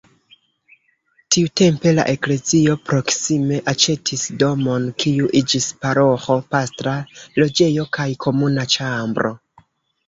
Tiutempe la eklezio proksime aĉetis domon, kiu iĝis paroĥo, pastra loĝejo kaj komuna ĉambro.